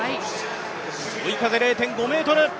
追い風０．５メートル！